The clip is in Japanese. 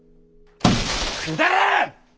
くだらん！